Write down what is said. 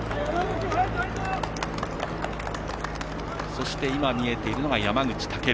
そして今、見えているのが山口武。